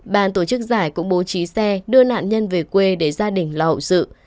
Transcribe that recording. ban tổ chức giải cũng bố trí xe đưa nạn nhân về quê để gia đình lậu dự